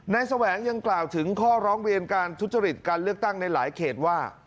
แสวงยังกล่าวถึงข้อร้องเรียนการทุจริตการเลือกตั้งในหลายเขตว่า